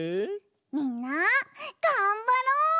みんながんばろう！